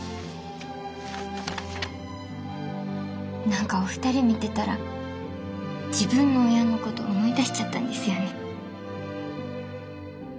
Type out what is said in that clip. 何かお二人見てたら自分の親のこと思い出しちゃったんですよね。